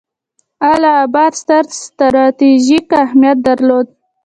اله اباد ستر ستراتیژیک اهمیت درلود.